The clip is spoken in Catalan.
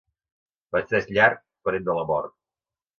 Festeig llarg, parent de la mort.